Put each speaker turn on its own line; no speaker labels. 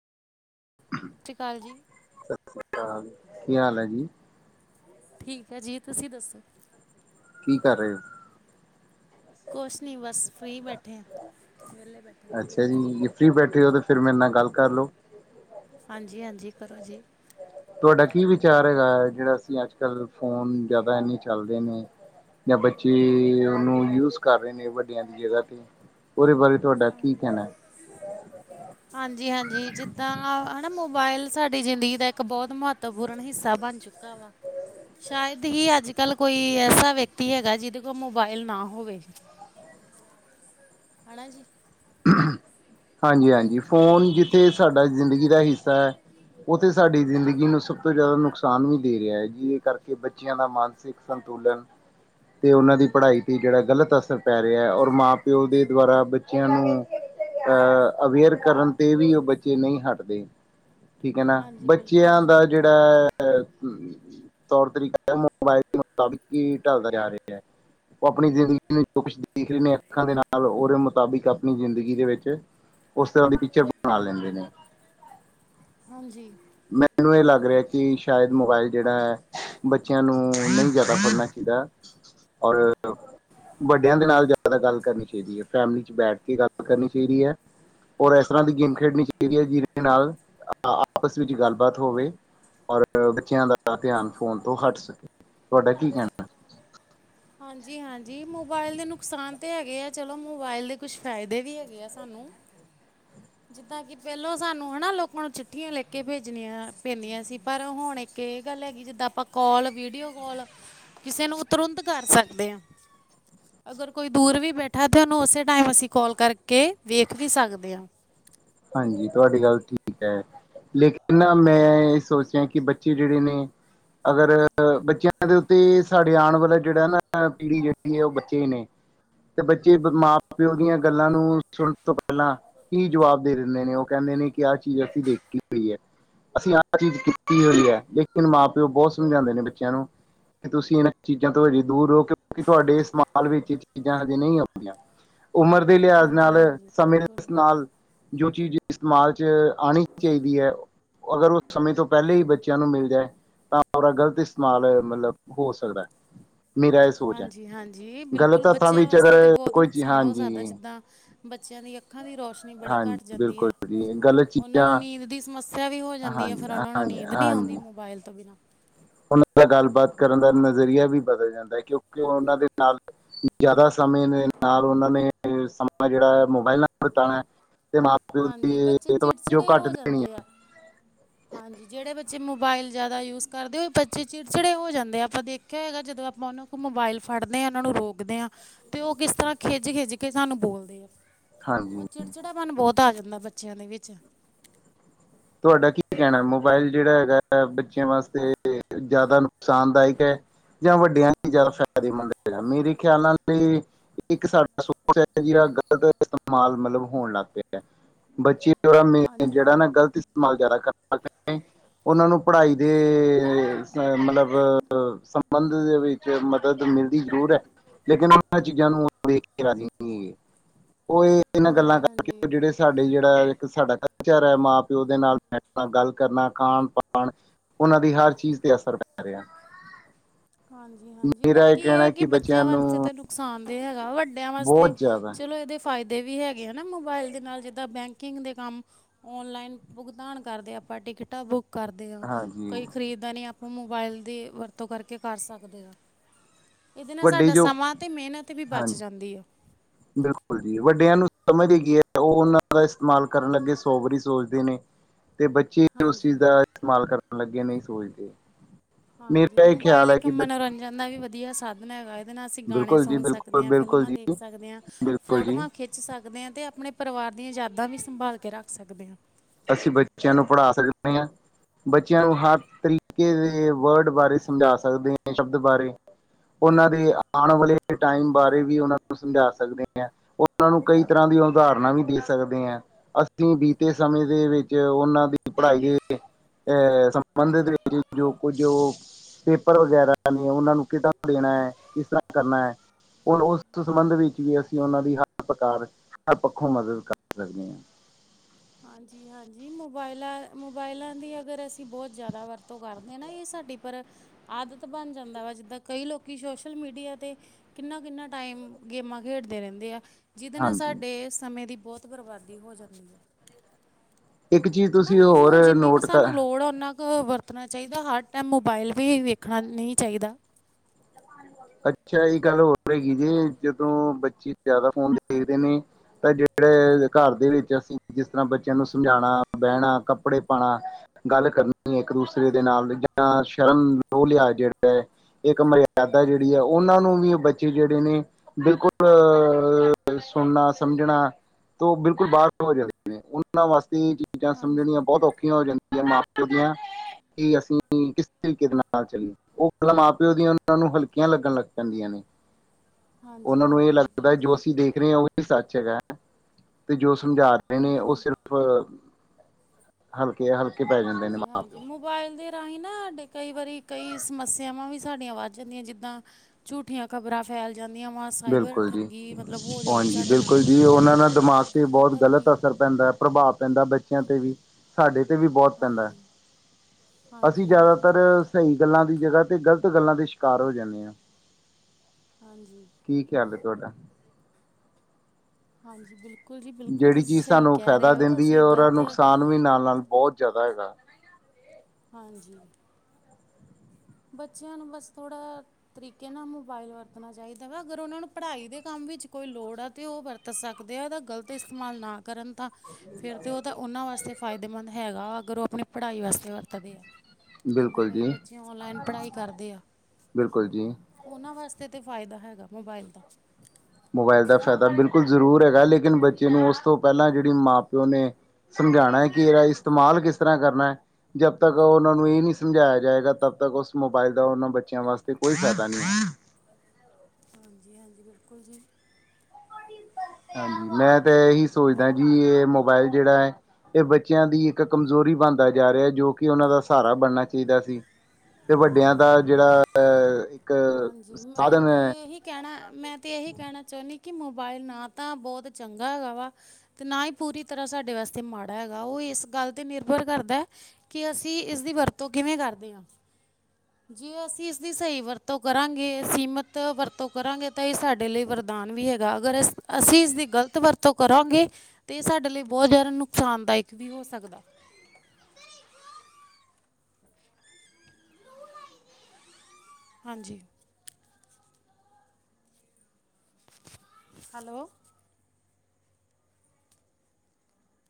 ਸਤਿ ਸ਼੍ਰੀ ਅਕਾਲ ਜੀ।
ਕੀ ਹਾਲ ਹੈ ਜੀ
ਠੀਕ ਹੈ ਜੀ ਤੁਸੀਂ ਦੱਸੋ।
ਕੀ ਕਰ ਰਹੇ ਹੋ।
ਕੁਛ ਨੀ ਬਸ ਫ੍ਰਰੀ ਬੈਠੇ ਵਹਿਲੇ ਬੈਠੇ
ਤੇ ਜੀ ਜੇ ਫਰੀ ਬੈਠੇ ਹੋ ਤਾਂ ਫਿਰ ਮੇਰੇ ਨਾਲ ਗੱਲ ਕਰ ਲਓ।
ਹਾਂਜੀ- ਹਾਂਜੀ ਕਰੋ ਜੀ।
ਤੁਹਾਡਾ ਕੀ ਵਿਚਾਰ ਹੈਗਾ ਜਿਹੜਾ ਅਸੀਂ ਅੱਜ ਕੱਲ ਫੋਨ ਜ਼ਿਆਦਾ ਏਨੀ ਚੱਲਦੇ ਨੇ। ਜਾਂ ਬੱਚੇ ਉਹਨੂੰ ਯੂਜ ਕਰ ਰਹੇ ਨੇ ਵੱਡਿਆਂ ਦੀ ਜਗ੍ਹਾ ਤੇ ਉਹਦੇ ਬਾਰੇ ਤੁਹਾਡਾ ਕੀ ਕਹਿਣਾ। [inaudible]
ਹਾਂਜੀ-ਹਾਂਜੀ ਜਿੱਦਾਂ ਹੈਨਾ ਮੋਬਾਇਲ ਸਾਡੀ ਜ਼ਿੰਦਗੀ ਦਾ ਇੱਕ ਬਹੁਤ ਮਹੱਤਵਪੂਰਨ ਹਿੱਸਾ ਬਣ ਚੁੱਕ ਕਾ ਵਾ ਸ਼ਾਇਦ ਹੀ ਅੱਜ ਕੱਲ੍ਹ ਕੋਈ ਐਸਾ ਵਿਅਕਤੀ ਹੈਗਾ ਜਿਹਦੇ ਕੋਲ ਮੋਬਾਇਲ ਨਾ ਹੋਵੇ।
[inaudible]
ਹਨਾ ਜੀ।
[inaudible] ਹਾਂਜੀ-ਹਾਂਜੀ ਫੋਨ ਜਿੱਥੇ ਸਾਡਾ ਜ਼ਿੰਦਗੀ ਦਾ ਹਿੱਸਾ ਹੈ। ਉਥੇ ਸਾਡੀ ਜ਼ਿੰਦਗੀ ਨੂੰ ਸਭ ਤੋਂ ਜ਼ਿਆਦਾ ਨੁਕਸਾਨ ਵੀ ਦੇ ਰਿਹਾ ਹੈ ਜਿਹਦੇ ਕਰਕੇ ਬੱਚਿਆਂ ਦਾ ਮਾਨਸਿਕ ਸੰਤੁਲਨ ਤੇ ਉਹਨਾਂ ਦੀ ਪੜ੍ਹਾਈ ਤੇ ਜਿਹੜਾ ਗਲਤ ਅਸਰ ਪੈ ਰਿਹਾ ਔਰ ਮਾਂ ਪਿਓ ਦੇ ਦੁਆਰਾ ਬੱਚੇ ਬੱਚਿਆ ਨੂੰ ਅਹ ਅਵੇਅਰ ਕਰਨ ਤੇ ਵੀ ਉਹ ਬੱਚੇ ਨਹੀਂ ਹਟਦੇ। ਠੀਕ ਹੈ ਨਾ
ਹਾਂਜੀ ਬਿਲਕੁਲ
ਬੱਚਿਆਂ
ਜੀ
ਦਾ ਜਿਹੜਾ ਤੌਰ ਤਰੀਕਾ ਮੋਬਾਇਲ ਮੁਤਾਬਿਕ ਹੀ ਢਲਦਾ ਜਾ ਰਿਹਾ ਹੈ। ਉਹ ਆਪਣੀ ਜ਼ਿੰਦਗੀ ਨੂੰ ਜੋ ਕੁਝ ਦੇਖ ਰਹੇ ਨੇ ਅੱਖਾਂ ਦੇ ਨਾਲ ਉਹਦੇ ਮੁਤਾਬਿਕ ਆਪਣੀ ਜ਼ਿੰਦਗੀ ਦੇ ਵਿੱਚ ਉਸ ਤਰ੍ਹਾਂ ਦੀ ਪਿਕਚਰ ਬਣਾ ਲੈਂਦੇ ਨੇ।
ਹਾਂਜੀ
ਮੈਨੂੰ ਇਹ ਲੱਗ ਰਿਹਾ ਕਿ ਸ਼ਾਇਦ ਮੋਬਾਇਲ ਜਿਹੜਾ [inaudible] ਬੱਚਿਆਂ ਨੂੰ ਨਹੀਂ ਜਿਆਦਾ ਫੜ੍ਹਨਾ ਚਾਹੀਦਾ। ਔਰ ਵੱਡਿਆਂ ਦੇ ਨਾਲ ਜ਼ਿਆਦਾ ਗੱਲ ਕਰਨੀ ਚਾਹੀਦੀ ਹੈ ਫੈਮਿਲੀ 'ਚ ਬੈਠ ਕੇ ਕੀ ਗੱਲ ਕਰਨੀ ਚਾਹੀਦੀ ਹੈ। ਔਰ ਇਸ ਤਰ੍ਹਾਂ ਦੀ ਗੇਮ ਖੇਡਣੀ ਚਾਹੀਦੀ ਹੈ ਜਿਹਦੇ ਨਾਲ ਆਪਸ ਵਿੱਚ ਗੱਲਬਾਤ ਹੋਵੇ। ਔਰ ਬੱਚਿਆਂ ਦਾ ਧਿਆਨ ਫੋਨ ਤੋਂ ਹਟ ਸਕੇ ਤੁਹਾਡਾ ਕੀ ਕਹਿਣਾ।
ਹਾਂਜੀ- ਹਾਂਜੀ ਮੋਬਾਇਲ ਦੇ ਨੁਕਸਾਨ ਤਾ ਹੈਗੇ ਆ ਚਲੋ ਮੋਬਾਇਲ ਦੇ ਕੁਛ ਫਾਇਦੇ ਵੀ ਹੈਗੇ ਆ ਸਾਨੂੰ ਜਿੱਦਾਂ ਕਿ ਪਹਿਲੋਂ ਸਾਨੂੰ ਹਨਾ ਲੋਕਾਂ ਨੂੰ ਚਿੱਠੀਆਂ ਲੈ ਕੇ ਭੇਜਣੀਆਂ ਪੈਂਦੀਆਂ ਸੀ ਪਰ ਹੁਣ ਇੱਕ ਕਿ ਇਹ ਗੱਲ ਹੈਗੀ ਜਿੱਦਾਂ ਆਪਾਂ ਕਾਲ ਵੀਡੀਓ ਕਾਲ ਕਿਸੇ ਨੂੰ ਤੁਰੰਤ ਕਰ ਸਕਦੇ ਆਂ। ਅਗਰ ਕੋਈ ਦੂਰ ਵੀ ਬੈਠਾ ਤਾਂ ਉਹਨੂੰ ਉਸੇ ਟਾਈਮ ਅਸੀਂ ਕੋਲ ਕਰਕੇ ਵੇਖ ਵੀ ਸਕਦੇ ਹਾਂ।
ਹਾਂਜੀ ਤੁਹਾਡੀ ਗੱਲ ਠੀਕ ਹੈ ਲੇਕਿਨ
ਹਾਂਜੀ
ਮੈਂ ਇਹ ਸੋਚਿਆ ਕਿ ਬੱਚ ਕੀ ਜਿਹੜੀ ਨੇ ਅਗਰ ਬੱਚਿਆਂ ਦੇ ਉਤੇ ਸਾਡੇ ਆਉਣ ਵਾਲਾ ਜਿਹੜਾ ਨਾ ਪੀੜ੍ਹੀ ਜਿਹੜੀ ਹੈ ਉਹ ਬੱਚੇ ਨੇ ਤੇ ਬੱਚੇ ਮਾਂ ਪਿਓ ਦੀਆਂ ਗੱਲਾਂ ਨੂੰ ਸੁਣਨ ਤੋਂ ਪਹਿਲਾਂ ਕੀ ਜਵਾਬ ਦੇ ਦਿੰਦੇ ਨੇ ਉਹ ਕਹਿੰਦੇ ਨੇ ਕਿ ਆਹ ਚੀਜ਼ ਅਸੀਂ ਦੇਖੀ ਹੋਈ ਹੈ ਅਸੀਂ ਆਹ ਚੀਜ਼ ਕੀਤੀ ਹੋਈ ਹੈ ਲੇਕਿਨ ਮਾਂ ਪਿਓ ਬਹੁਤ ਸਮਝਾਂਦੇ ਨੇ ਬੱਚਿਆਂ ਨੂੰ ਤੁਸੀਂ ਇਹਨਾਂ ਚੀਜ਼ਾਂ ਤੋਂ ਹਜੇ ਦੂਰ ਰਹੋ ਕਿਉਂਕਿ ਤੁਹਾਡੇ ਇਸ ਮਾਲ ਵਿੱਚ ਇਹ ਚੀਜ਼ਾਂ ਹਜੇ ਨਹੀਂ ਆਉਂਦੀਆਂ। ਉਮਰ ਦੇ ਲਿਹਾਜ਼
ਹਾਂਜੀ
ਨਾਲ
ਹਾਂਜੀ
ਸਮੇ
ਬਿਲਕੁਲ
ਸ ਨਾਲ ਜੋ ਚੀਜ਼ ਇਸਤੇਮਾਲ ਚ ਆਣੀ ਚਾਹੀਦੀ ਹੈ ਅਗਰ ਉਹ ਸਮੇਂ ਤੋਂ ਪਹਿਲੇ ਹੀ ਬੱਚਿਆਂ ਨੂੰ ਮਿਲ ਜਾਏ ਤਾਂ ਓਦਾ ਗ਼ਲਤ ਇਸਤੇਮਾਲ ਮਤਲਬ ਹੋ ਸਕਦਾ ਹੈ ਮੇਰਾ ਇਹ ਸੋਚ
ਹਾਂਜੀ-ਹਾਂਜੀ, ਬਿਲਕੁਲ
ਗਲਤ ਹੱਥਾਂ
ਬੱਚਿਆਂ
ਵਿੱਚ
ਵਾਸਤੇ ਤਾਂ
ਅਗਰ
ਬਹੁਤ
ਕੋਈ
ਨੁਕਸਾਨ ਹੋ ਸਕਦਾ
ਹਾਂਜੀ
ਜਿੱਦਾਂ ਬੱਚਿਆਂ ਦੀ ਅੱਖਾਂ ਦੀ ਰੋਸ਼ਨੀ ਬੜੀ
ਹਾਂਜੀ
ਘੱਟ ਜਾਂਦੀ
ਬਿਲਕੁਲ
ਆ
ਜੀ ਗਲਤ
ਉਹਨਾਂ
ਚੀਜ਼ਾਂ
ਨੂੰ ਨੀਂਦ ਦੀ ਸਮੱਸਿਆ ਵੀ ਹੋ ਜਾਂਦੀ ਆ,
ਹਾਂਜੀ
ਫੇਰ ਉਹਨਾਂ ਨੂੰ
ਹਾਂਜੀ
ਨੀਂਦ ਨਹੀਂ
ਹਾਂਜੀ
ਆਉਂਦੀ ਮੋਾਇਲ ਤੋਂ ਬਿਨਾਂ
ਉਹਨਾਂ ਦਾ ਗੱਲਬਾਤ ਕਰਨ ਦਾ ਨਜ਼ਰੀਆ ਵੀ ਬਦਲ ਜਾਂਦਾ ਹੈ, ਕਿਉਂਕਿ ਉਹਨਾਂ ਦੇ ਨਾਲ ਜ਼ਿਆਦਾ ਸਮੇਂ ਦੇ ਨਾਲ ਉਹਨਾਂ ਨੇ ਸਮਾਂ ਜਿਹੜਾ ਹੈ, ਮੋਬਾਇਲ ਨਾਲ ਬਿਤਾਉਣਾ ਹੈ ਤੇ ਮਾਂ ਪਿਓ
ਹਾਂਜੀ ਬੱਚੇ
ਦੀਵਾ ਜੋ ਉਹ
ਚਿੜਚਿੜੇ
ਘੱਟ
ਹੋ
ਦੇਣੀ
ਜਾਂਦੇ
ਹੈ
ਆ ਹਾਂਜੀ ਜਿਹੜੇ ਬੱਚੇ ਮੋਬਾਈਲ ਜ਼ਿਆਦਾ ਯੂਜ ਕਰਦੇ ਆ, ਉਹ ਬੱਚੇ ਚਿੜਚਿੜੇ ਹੋ ਜਾਂਦੇ ਆ, ਆਪਾਂ ਦੇਖਿਆ ਹੋ ਹੈਏਗਾ, ਜਦੋਂ ਆਪਾਂ ਉਹਨੂੰ ਉਹ ਮੋਬਾਇਲ ਫੜਦੇ ਆ ਉਹਨਾਂ ਨੂੰ ਰੋਕਦੇ ਹਾਂ, ਤੇ ਉਹ ਕਿਸ ਤਰ੍ਹਾਂ ਖਿਝ-ਖਿਝ ਕੇ ਸਾਨੂੰ ਬੋਲਦੇ ਆ
ਹਾਂਜੀ
ਉਹ ਚਿੜਚਿੜਾਪਨ ਬਹੁਤ ਆ ਜਾਂਦਾ ਬੱਚਿਆਂ ਦੇ ਵਿੱਚ
ਤੁਹਾਡਾ ਕੀ ਕਹਿਣਾ ਮੋਬਾਇਲ ਜਿਹੜਾ ਹੈਗਾ ਹੈ, ਬੱਚਿਆਂ ਵਾਸਤੇ ਜ਼ਿਆਦਾ ਨੁਕਸਾਨਦਾਇਕ ਹੈ? ਜਾਂ ਵੱਡਿਆਂ ਲਈ ਜ਼ਿਆਦਾ ਫਾਇਦੇ ਮੰੰਦ ਹੈਗਾ, ਮੇਰੇ ਖਿਆਲ ਨਾਲ ਏ ਇੱਕ ਸਾਡਾ ਸੋਚ ਹੈ, ਜਿਹੜਾ ਗਲਤ ਇਸਤੇਮਾਲ ਮਤਲਬ ਹੋਣ ਲੱਗ ਪਿਆ ਹੈ ਬੱਚੇ ਮੇਨ
ਹਾਂਜੀ
ਜਿਹੜਾ ਨਾ ਗਲਤ ਕਮਾਲ ਜ਼ਿਆਦਾ ਕਰ ਸਕਦੇ ਨੇ ਉਹਨਾਂ ਨੂੰ ਪੜ੍ਹਾਈ ਦੇ ਅ ਮਤਲਬ ਸੰਬੰਧ ਦੇ ਵਿੱਚ ਮਦਦ ਮਿਲਦੀ ਜ਼ਰੂਰ ਹੈ, ਲੇਕਿਨ ਇਹ ਚੀਜ਼ਾਂ ਨੂੰ ਵੇਖ ਕੇ ਰਾਜੀ ਨੀ ਹੈਗੇ, ਉਹ ਇਹ ਇਹਨਾਂ ਗੱਲਾਂ
ਹਾਂਜੀ
ਕਰਕੇ
ਹਾਂਜੀ
ਜਿਹੜੇ ਸਾਡੇ ਜਿਹੜਾ ਇੱਕ ਸਾਡਾ ਕਲਚਰ ਹੈ ਮਾਂ ਪਿਓ ਦੇ ਨਾਲ ਬੈਠਣਾ, ਗੱਲ ਕਰਨਾ, ਖਾਣ-ਪਾਣ ਉਹਨਾਂ ਦੀ ਹਰ ਚੀਜ਼ ਤੇ ਅਸਰ ਪੈ ਰਿਹਾ।
ਹਾਂਜੀ, ਹਾਂਜੀ ਬਾਕੀ ਇਹ ਹੈ, ਕਿ ਬੱਚਿਆਂ ਵਾਸਤੇ ਤੁੈਨੂੰ ਨੁਕਸਾਨ ਦੇ ਹੈਗਾ, ਵੱਡਿਆਂ ਵਾਸਤੇ
ਬਹੁਤ ਜ਼ਿਆਦਾ
ਚਲੋ ਇਹਦੇ ਫਾਇਦੇ ਵੀ ਹੈਗੇ ਹੈਨਾ, ਮੋਬਾਇਲ ਦੇ ਨਾਲ ਜਿੱਦਾਂ ਬੈਂਕਿੰਗ ਦੇ ਕੰਮ ਔਨਲਾਈਨ ਭੁਗਤਾਨ ਕਰਦੇ ਆਪਾਂ ਟਿਕਟਾਂ ਬੁੱਕ ਕਰਦੇ ਆ
ਹਾਂਜੀ
ਕੋਈ ਖਰੀਦ ਦਾ, ਨੀ ਆਪਾਂ ਮੋਬਾਇਲ ਦੀ ਵਰਤੋਂ ਕਰਕੇ ਕੇ ਕਰ ਸਕਦੇ ਹਾਂ ਇਹਦੇ ਨਾਲ
ਵੱਡੇ
ਸਾਡਾ
ਜੋ
ਸਮਾਂ ਅਤੇ ਮਿਹਨਤ ਵੀ ਬਚ ਜਾਂਦੀ ਆ
ਜ ਵੱਡਿਆਂ ਨੂੰ ਸਮਝ ਹੈਗੀ ਹੈ, ਉਹ ਉਹਨਾਂ ਦਾ ਇਸਤੇਮਾਲ ਕਰਨ ਲੱਗੇ ਸੋਵਰੀ ਸੋਚਦੇ ਨੇ ਤੇ ਬੱਚੇ ਉਸ ਚੀਜ਼
ਹਾਂਜੀ
ਦਾ ਇਸਤੇਮਾਲ ਕਰਨ ਲੱਗੇ ਨਹੀਂ ਸੋਚਦੇ
ਹਾਂਜੀ
ਮੇਰਾ ਤੇ
ਮੋਬਾਈਲ
ਖਿਆਲ ਹੈ
ਇੱਕ
ਕਿ ਬੱਚ
ਮਨੋਰੰਜਨ ਦਾ ਵੀ ਵਧੀਆ ਸਾਧਨ ਹੈਗਾ ਦੇ ਨਾਲ ਅਸੀਂ ਗਾਣੇ
ਬਿਲਕੁਲ ਜੀ
ਸੁਣ
ਬਿਲਕੁਲ
ਸਕਦੇ ਹਾਂ,
ਬਿਲਕੁਲ
ਫਿਲਮਾਂ
ਜੀ
ਦੇਖ ਸਕਦੇ ਹਾਂ
ਬਿਲਕੁਲ ਜੀ
ਫੋਟੋਆਂ ਖਿੱਚ ਸਕਦੇ ਹਾਂ ਤੇ ਆਪਣੇ ਪਰਿਵਾਰ ਦੀਆਂ ਯਾਦਾਂ ਵੀ ਸੰਭਾਲ ਕੇ ਰੱਖ ਸਕਦੇ ਹਾਂ
ਅਸੀਂ ਬੱਚਿਆਂ ਨੂੰ ਪੜ੍ਹਾ ਸਕਦੇ ਹਾਂ ਬੱਚਿਆਂ ਨੂੰ ਹਰ ਤਰੀਕੇ ਦੇ ਵਰਡ ਬਾਰੇ ਸਮਝਾ ਸਕਦੇ ਹਾਂ, ਸ਼ਬਦ ਬਾਰੇ ਉਹਨਾਂ ਦੇ ਆਉਣ ਵਾਲੇ ਟਾਈਮ
ਹਾਂਜੀ
ਬਾਰੇ ਵੀ ਉਹਨਾਂ ਸਮਝਾ ਸਕਦੇ ਆ, ਉਹਨਾਂ ਨੂੰ ਕਈ ਤਰ੍ਹਾਂ ਦੀਆਂ ਉਦਾਹਰਨਾਂ ਵੀ ਦੇ ਸਕਦੇ ਆ, ਅਸੀਂ ਬੀਤੇ ਸਮੇਂ ਦੇ ਵਿੱਚ ਉਹਨਾਂ ਦੀ ਪੜ੍ਹਾਈ ਦੇ ਅਹ ਸੰਬੰਧਿਤ ਵਿੱਚ ਜੋ ਕੁੱਝੋ ਓਹ ਪੇਪਰ ਵਗੈਰਾ। ਉਹਨਾਂ ਨੂੰ ਕਿੱਦ੍ਹਾ ਦੇਣਾ ਕਿਸ ਤਰ੍ਹਾਂ ਕਰਨਾ। ਹੁਣ ਉਸ ਤੋ ਸੰਬੰਧ ਵਿੱਚ ਵੀ ਅਸੀਂ ਉਹਨਾਂ ਦੀ ਹਰ ਪ੍ਰਕਾਰ ਹਰ ਪੱਖੋਂ ਮਦਦ ਕਰ ਸਕਦੇ ਹਾਂ।
ਹਾਂਜੀ, ਹਾਂਜੀ ਮੋਬਾਇਲਾਂ, ਮੋਬਾਇਲਾਂ ਦੀ ਅਗਰ ਅਸੀਂ ਬਹੁਤ ਜ਼ਿਆਦਾ ਵਰਤੋਂ ਕਰਦੇ ਹਾਂ ਨਾ ਇਹ ਸਾਡ ਡੀ, ਪਰ ਆਦਤ ਬਣ ਜਾਂਦਾ ਵਾ ਜਿੱਦਾਂ ਕਈ ਲੋਕੀ ਸੋਸ਼ਲ ਮੀਡੀਆ ਤੇ ਕਿੰਨਾ, ਕਿੰਨਾ ਟਾਈਮ ਗੇਮਾਂ ਖੇਡਦੇ ਰਹਿੰਦੇ ਐ। ਜਿਹਦੇ ਨਾਲ
ਹਾਂਜੀ,
ਸਾਡੇ ਸਮੇਂ ਦੀ ਬਹੁਤ ਬਰਬਾਦੀ ਹੋ ਜਾਂਦੀ ਹੈ।
ਇੱਕ ਚੀਜ਼
ਹੈਨਾ,
ਤੁਸੀਂ ਹੋਰ
ਇਹਨੂੰ ਜਿੰਨੀ ਕੁ
ਨੋਟ ਕਰ
ਸਾਨੂੰ ਲੋੜ ਆ ੳਨਾ ਕੁ ਕ ਵਰਤਣਾ ਚਾਹੀਦਾ, ਹਰ ਟਾਈਮ ਮੋਬਾਇਲ ਵੀ ਵੇਖਣਾ ਨਹੀਂ ਚਾਹੀਦਾ।
ਅੱਛਾ, ਇਹ ਗੱਲ ਹੋਰ ਹੈਗੀ, ਜੇ ਜਦੋਂ ਬੱਚੇ ਜ਼ਿਆਦਾ ਫੋਨ ਦੇਖਦੇ ਨੇ ਤਾਂ ਜਿਹੜੇ ਘਰ ਦੇ ਵਿੱਚ ਅਸੀਂ ਜਿਸ ਤਰ੍ਹਾਂ ਬੱਚਿਆਂ ਨੂੰ ਸਮਝਾਣਾ, ਬਹਿਣਾ, ਕੱਪੜੇ ਪਾਣਾ ਗੱਲ ਕਰਨੀ ਇੱਕ ਦੂਸਰੇ ਦੇ ਨਾਲ ਜਾਂ ਸ਼ਰਮ ਲੋਹ ਲਿਆਜ਼ ਜਿਹੜਾ ਹੈ ਇੱਕ ਮਰਿਆਦਾ ਜਿਹੜੀ ਹੈ ਉਹਨਾਂ ਨੂੰ ਵੀ ਬੱਚੇ ਜਿਹੜੇ ਨੇ ਬਿਲਕੁਲ ਸੁਣਨਾ ਸਮਝਣਾ ਤੋ, ਬਿਲਕੁਲ ਬਾਹਰ ਹੋ ਜਾਂਦੇ ਨੇ ਉਹਨਾਂ ਵਾਸਤੇ ਇਹ ਚੀਜ਼ਾਂ ਸਮਝਣੀਆਂ
ਹਾਂਜੀ
ਬਹੁਤ ਔਖੀਆਂ ਹੋ ਜਾਂ ਯਾ [unintelligible] ਮਾ ਪਿਔ ਦੀਆਂ ਕਿ ਅਸੀਂ ਕੀ ਕਿਸ ਤਰੀਕੇ ਦੇ ਨਾਲ ਚੱਲੀਏ ਉਹ ਗੱਲਾਂ ਮਾਂ ਪਿਓ ਦੀਆਂ ਉਹਨਾਂ ਨੂੰ ਹਲ ਕੀਆਂ ਲੱਗਣ ਲੱਗ ਪੈਂਦੀਆਂ ਨੇ
ਹਾਂਜੀ
ਉਹਨਾਂ ਨੂੰ
ਹਾਂਜੀ
ਇਹ ਲੱਗਦਾ
ਬਿਲਕੁਲ
ਜੋ
ਜੀ
ਅਸੀਂ ਦੇਖ ਰਹੇ ਹਾਂ ਉਹਹੀ ਸੱਚ ਹੈਗਾ ਤੇ ਜੋ ਸਮਝਾ ਰਹੇ ਨੇ ਉਹ
ਹਾਂਜੀ
ਸਿਰਫ ਹਲਕੇ ਹਲਕੇ ਪੈ ਜਾਂਦੇ ਨੇ
ਹਾਂਜੀ ਹਾਂਜੀ ਮ ਬਾਇਲ ਦੇ ਰਾਹੀਂ ਨਾ ਹਾਡੇ ਕਈ ਵਾਰੀ ਕਈ ਸਮੱਸਿਆਵਾਂ ਵੀ ਸਾਡੀਆਂ ਵੱਧ ਜਾਂਦੀਆਂ ਜਿੱਦਾਂ ਝੂਠੀਆਂ ਖਬਰਾਂ ਫੈਲ ਜਾਂਦੀਆਂ ਵਾ ਸਾਈਬਰ
ਬਿਲਕੁਲ ਜੀ
ਠੱਗੀ ਮਤਲਬ ਹੋ ਜਾਂਦੀ
ਹਾਂਜੀ
ਸਾਡੇ ਨਾਲ
ਬਿਲਕੁਲ ਜੀ ਉਹਨਾਂ ਦਾ ਦਿਮਾਗ ਤੇ
ਜਿੱਦਾਂ
ਬਹੁਤ ਗ਼ਲਤ
ਠੱਗੀ
ਅਸਰ ਪੈਂਦੈ, ਪ੍ਰਭਾਵ ਪੈਂਦੈ ਬੱਚਿਆਂ ਤੇ ਵੀ ਸਾਡੇ 'ਤੇ ਵੀ ਬਹੁਤ ਪੈਂਦੈ
ਹਾਂਜੀ
ਅਸੀਂ
ਹਾਂਜੀ ਹਾਂਜੀ
ਜ਼ਿਆਦਾਤਰ ਸਹੀ ਗੱਲਾਂ ਦੀ ਜਗ੍ਹਾ ਤੇ ਗ਼ਲਤ ਗੱਲਾਂ ਦੇ ਸ਼ਿਕਾਰ ਹੋ ਜਾਂਨੇ ਆ
ਹਾਂਜੀ
ਕੀ ਖਿਆਲ ਏ ਤੁਹਾਡਾ
ਹਾਂਜੀ ਬਿਲਕ
ਜਿਹੜੀ ਚੀਜ਼ ਸਾਨੂੰ ਫਾਇਦਾ ਦਿੰਦੀ ਹੈ
ਅਸੀਂ
ਔਰ
ਗਲਤ
ਨੁਕਸਾਨ ਵੀ ਨਾਲ ਨਾਲ ਬਹੁਤ ਜ਼ਿਆਦਾ ਹੈਗਾ
ਹਾਂਜੀ ਬੱਚਿਆਂ ਨੂੰ ਬਸ ਥੋੜ੍ਹਾ ਤਰੀਕੇ ਨਾਲ ਮੋਬਾਇਲ ਵਰਤਣਾ ਚਾਹੀਦਾ ਵਾ ਅਗਰ ਉਹਨਾਂ ਨੂੰ ਪੜ੍ਹਾਈ ਦੇ ਕਮ ਵਿਚ ਕੋਈ ਲੋੜ ਆ ਤੇ ਉਹ ਵਰਤ ਤ ਸਕਦੇ ਆ ਉਹਦਾ ਗਲਤ ਇਸਤੇਮਾਲ ਨਾ ਕਰਨ ਤਾਂ ਫੇਰ ਤੇ ਉਹਦਾ ਉਹਨਾਂ ਵਾਸਤੇ ਫਾਇਦੇਮੰਦ ਹੈਗਾ ਅਗਰ ਉਹ ਆਪਣੀ ਪੜ੍ਹਾਈ ਵਾਸਤੇ ਵਰਤਦੇ ਜਿੱਦਾਂ
ਬਿਲਕੁਲ
ਕਈ
ਜੀ
ਬੱਚੇ ਔਨਲਾਈਨ ਪੜ੍ਹਾਈ ਕਰਦੇ ਆ
ਬਿਲਕੁਲ ਜੀ
ਉਹਨਾਂ ਵਾਸਤੇ ਤੇ ਫਾਇਦਾ ਹੈਗਾ ਮੋਬਾਇਲ ਦਾ
ਮੋਬਾਇਲ ਦਾ ਫਾਇਦਾ ਬਿਲਕੁਲ ਜ਼ਰੂਰ ਹੈਗਾ ਲੇਕਿਨ ਬੱਚੇ ਨੂੰ ਉਸ ਤੋਂ ਪਹਿਲਾਂ ਜਿਹੜੀ ਮਾਂ ਪਿਓ ਨੇ ਸਮਝਾਣੈ ਕਿ ਇਹਦਾ ਇਸਤੇਮਾਲ ਕਿਸ ਤਰ੍ਹਾਂ ਕਰਨਾ ਐ ਜਬ ਤੱਕ ਉਹਨਾਂ ਨੂੰ ਇਹ ਨੀ ਸਮਝਾਇਆ ਜਾਏਗਾ ਤਬ ਤੱਕ ਉਸ ਮੋਬਾਇਲ ਦਾ ਉਹਨਾਂ ਬੱਚਿਆਂ ਵਾਸਤੇ ਕੋਈ ਫਾਇਦਾ ਨਹੀਂ
ਹਾਂਜੀ, ਹਾਂਜੀ ਬਿਲਕੁਲ ਜੀ। [unintelligible]
ਹਾਂਜੀ, ਮੈਂ ਤਾਂ ਇਹੀ ਸੋਚਦਾ ਜੀ ਇਹ ਮੋਬਾਇਲ ਜਿਹੜਾ ਐ ਇਹ ਬੱਚਿਆਂ ਦੀ ਇੱਕ ਕਮਜ਼ੋਰੀ ਬਣਦਾ ਜਾ ਰਿਹਾ ਜੋ ਕਿ ਉਹਨਾਂ ਦਾ ਸਹਾਰਾ ਬਣਨਾ ਚਾਹੀਦਾ ਸੀ ਤੇ ਵੱਡਿਆਂ ਦਾ ਜਿਹੜਾ ਇੱਕ
ਹਾਂਜੀ ਮੈਂ
ਸਾਧਨ
ਤੇ
ਹੈ
ਇਹੀ ਕਹਿਣਾ ਮੈ ਤੇ ਇਹੀ ਕਹਿਣਾ ਚਾਹੁੰਨੀ ਕਿ ਮੋਬਾਇਲ ਨਾ ਤਾਂ ਬਹੁਤ ਚੰਗਾ ਹੈਗਾ ਵਾ ਤੇ ਨਾ ਹੀ ਪੂਰੀ ਤਰ੍ਹਾਂ ਸਾਡੇ ਵਾਸਤੇ ਮਾੜਾ ਹੈਗਾ ਉਹ ਇਸ ਗੱਲ 'ਤੇ ਨਿਰਭਰ ਕਰਦਾ ਐ ਕਿ ਅਸੀ ਇਸ ਦੀ ਵਰਤੋਂ ਕਿਵੇ ਕਰਦੇ ਹਾਂ ਜੇ ਅਸੀ ਇਸਦੀ ਸਹੀ ਵਰਤੋਂ ਕਰਾਂਗੇ ਸੀਮਿਤ ਵਰਤੋਂ ਕਰਾਂਗੇ ਤਾਂ ਇਹ ਸਾਡੇ ਲਈ ਵਰ ਦਾਨ ਵੀ ਹੈਗਾ ਅਗਰ ਅਸ ਅਸੀ ਇਸਦੀ ਗਲਤ ਵਰਤੋਂ ਕਰਾਂਗੇ ਤੇ ਇਹ ਸਾਡੇ ਲਈ ਬਹੁਤ ਜ਼ਿਆਦਾ ਨੁਕਸਾਨਦਾਇਕ ਵੀ ਹੋ ਸਕਦਾ ਹਾਂਜੀ ਹੈਲੋ